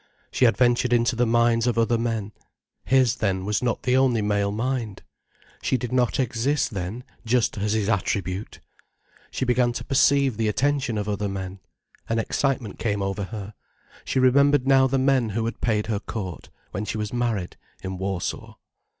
She adventured into the minds of other men. His, then, was not the only male mind! She did not exist, then, just as his attribute! She began to perceive the attention of other men. An excitement came over her. She remembered now the men who had paid her court, when she was married, in Warsaw.